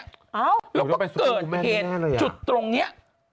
แล้วก็เกิดเหตุจุดตรงนี้